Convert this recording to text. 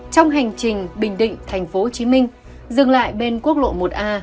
trong hành trình bình định thành phố hồ chí minh dừng lại bên quốc lộ một a